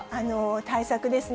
対策ですね。